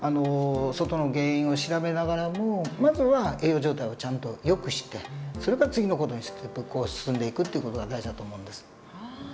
外の原因を調べながらもまずは栄養状態をちゃんとよくしてそれから次の事にステップを進んでいくという事が大事だと思うんです。